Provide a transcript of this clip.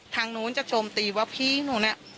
ทางนู้นจะโจมตีว่าพี่หนูเนี่ย